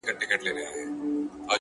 دا عجيبه ده د سوق اور يې و لحد ته وړئ!!